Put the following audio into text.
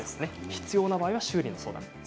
必要な場合は修理の相談。